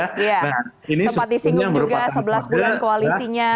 nah ini sempat disinggung juga sebelas bulan koalisinya